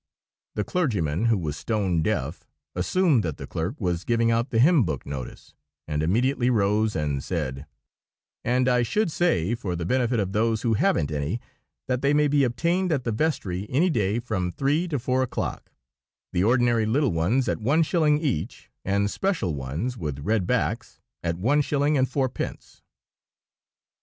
The clergyman, who was stone deaf, assumed that the clerk was giving out the hymn book notice, and immediately rose and said: "And I should say, for the benefit of those who haven't any, that they may be obtained at the vestry any day from three to four o'clock; the ordinary little ones at one shilling each, and special ones with red backs at one shilling and fourpence."